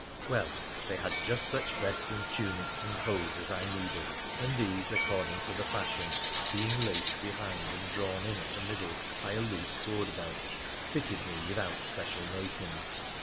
Well, they had just such vests and tunics and hose as I needed, and these, according to the fashion, being laced behind and drawn in at the middle by a loose sword belt, fitted me without special making.